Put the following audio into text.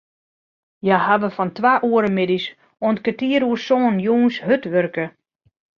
Hja hawwe fan twa oere middeis oant kertier oer sânen jûns hurd wurke.